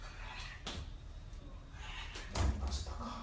成りましたか。